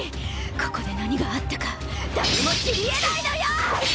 ここで何があったか誰も知りえないのよ！